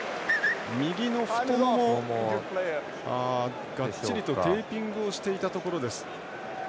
右の太もも、がっちりとテーピングをしていたところです。